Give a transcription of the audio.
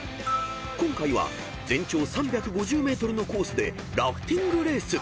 ［今回は全長３５０ｍのコースでラフティングレース］